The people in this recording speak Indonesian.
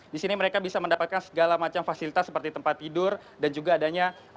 di sini mereka bisa mendapatkan segala macam fasilitas seperti tempat tidur dan juga adanya